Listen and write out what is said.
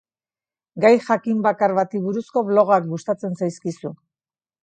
Gai jakin bakar bati buruzko blogak gustatzen zaizkigu.